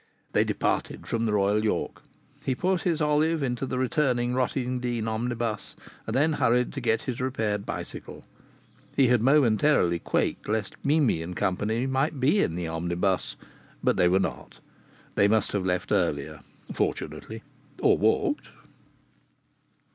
They departed from the Royal York. He put his Olive into the returning Rottingdean omnibus, and then hurried to get his repaired bicycle. He had momentarily quaked lest Mimi and company might be in the omnibus. But they were not. They must have left earlier, fortunately, or walked.